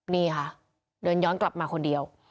นี่ค่ะเดินย้อนกลับมาคนเดียว